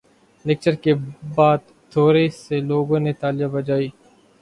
lecture کے بات تھورے سے لوگوں نے تالیاں بجائی